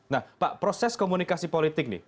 nah pak proses komunikasi politik nih